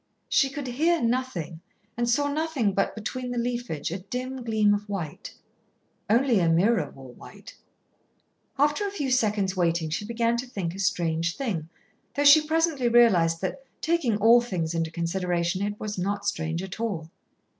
She could hear nothing and saw nothing but, between the leafage, a dim gleam of white. Only Ameerah wore white. After a few seconds' waiting she began to think a strange thing, though she presently realised that, taking all things into consideration, it was not strange at all.